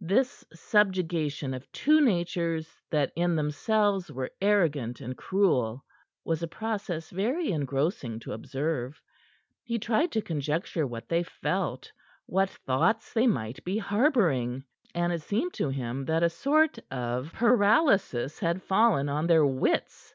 This subjugation of two natures that in themselves were arrogant and cruel was a process very engrossing to observe. He tried to conjecture what they felt, what thoughts they might be harboring. And it seemed to him that a sort of paralysis had fallen on their wits.